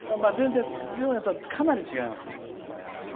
四夜とは、かなり違いますね。